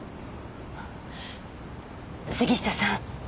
杉下さん。